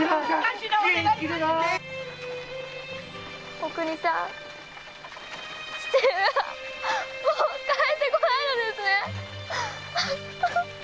おくにさん父上はもう帰ってこないのですね！